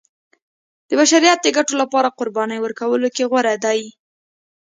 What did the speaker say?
د بشریت د ګټو لپاره قربانۍ ورکولو کې غوره دی.